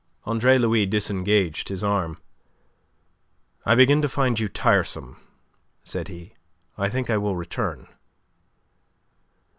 Andre Louis disengaged his arm. "I begin to find you tiresome," said he. "I think I will return."